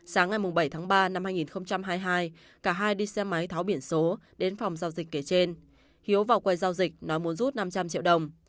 sáng ngày bảy tháng ba năm hai nghìn hai mươi hai cả hai đi xe máy tháo biển số đến phòng giao dịch kể trên hiếu vào quầy giao dịch nói muốn rút năm trăm linh triệu đồng